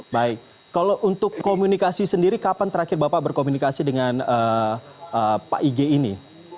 baik kalau untuk komunikasi sendiri kapan terakhir bapak berkomunikasi dengan pak ig ini